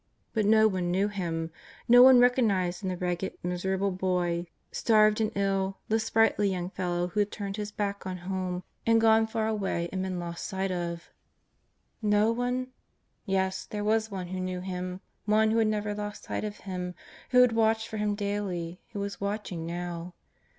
But no one knew him. Xo one recognized in the ragged, miserable boy, starved and ill, the sprightly young fellow who had turned his back on home and gone far away and been lost sight of. Xo one ? Yes, there was one who knew him, one who had never lost sight of him, who had watched for him daily, who was watching now.